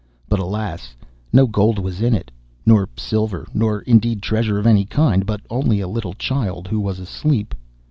But, alas! no gold was in it, nor silver, nor, indeed, treasure of any kind, but only a little child who was asleep.